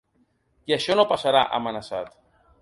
I això no passarà, ha amenaçat.